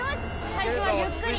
最初はゆっくり。